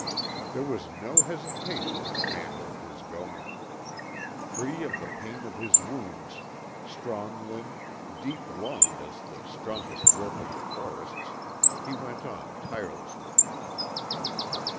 There was no hesitation in the manner of his going. Free of the pain of his wounds, strong limbed, deep lunged as the strongest wolf of the forests, he went on tirelessly.